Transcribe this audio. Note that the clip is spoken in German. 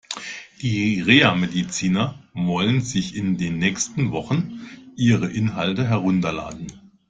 Die Reha-Mediziner wollen sich in den nächsten Wochen ihre Inhalte herunterladen.